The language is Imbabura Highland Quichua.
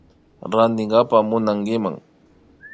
Rantinkapa munankiman